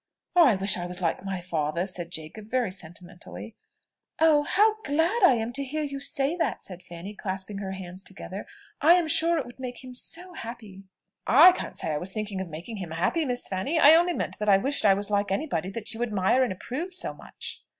"I wish I was like my father!" said Jacob very sentimentally. "Oh! how glad I am to hear you say that!" said Fanny, clasping her hands together. "I am sure it would make him so happy!" "I can't say I was thinking of making him happy, Miss Fanny: I only meant, that I wished I was like any body that you admire and approve so much."